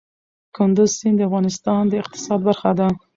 کندز سیند د افغانستان د اقتصاد برخه ده.